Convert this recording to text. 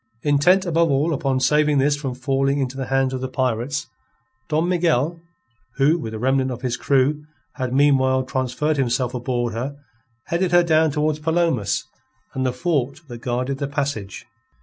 Intent above all upon saving this from falling into the hands of the pirates, Don Miguel, who, with a remnant of his crew, had meanwhile transferred himself aboard her, headed her down towards Palomas and the fort that guarded the passage.